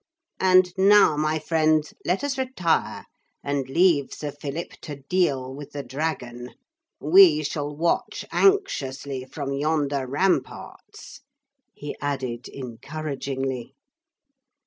And now, my friends, let us retire and leave Sir Philip to deal with the dragon. We shall watch anxiously from yonder ramparts,' he added encouragingly.